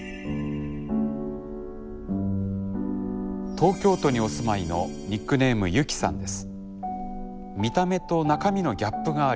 東京都にお住まいのニックネームゆきさんです。